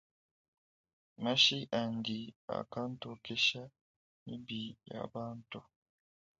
Mashi andi akantokesha mibi ya bantu.